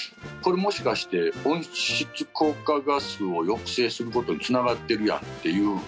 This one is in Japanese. これもしかして温室効果ガスを抑制することにつながってるやんっていう。